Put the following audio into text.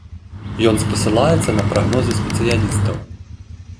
Ён спасылаецца на прагнозы спецыялістаў.